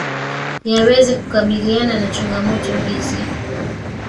yaweze kukabiliana na changamoto hizi